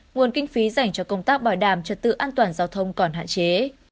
nguồn kinh phí dành cho công tác bảo đảm trật tự an toàn giao thông còn hạn chế